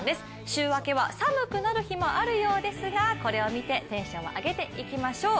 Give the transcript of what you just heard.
週明けは寒くなる日もあるようですが、これを見てテンションを上げていきましょう。